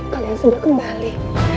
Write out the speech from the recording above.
kalian sudah kembali